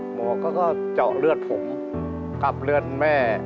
หมอก็เจาะเลือดผมกลับเลือดแม่